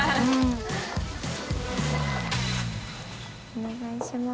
お願いします。